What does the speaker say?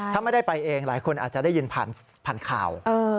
ถ้าไม่ได้ไปเองหลายคนอาจจะได้ยินผ่านข่าว